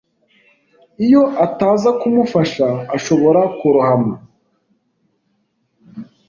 Iyo ataza kumufasha, ashobora kurohama.